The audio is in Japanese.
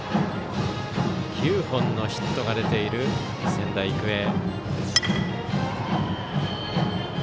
９本のヒットが出ている仙台育英。